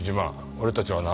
俺たちはな。